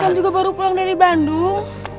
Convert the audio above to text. eros kan juga baru pulang dari bandung